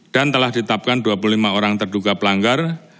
dan telah ditapkan dua puluh lima orang terduga pelanggar